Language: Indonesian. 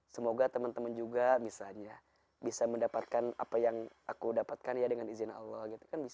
semoga teman teman juga misalnya bisa mendapatkan apa yang aku dapatkan ya dengan izin allah